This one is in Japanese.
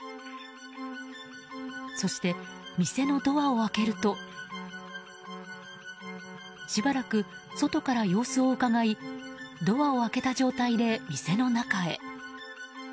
そして、店のドアを開けるとしばらく外から様子をうかがいドアを開けた状態で店の中へ。